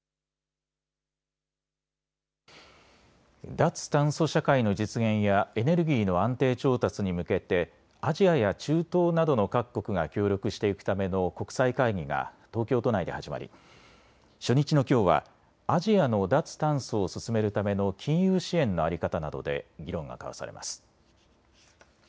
脱炭素社会の実現やエネルギーの安定調達に向けてアジアや中東などの各国が協力していくための国際会議が東京都内で始まり初日のきょうはアジアの脱炭素を進めるための金融支援の在り方などで議論が交わされます。